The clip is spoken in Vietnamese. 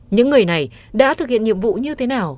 những người này đã thực hiện nhiệm vụ như thế nào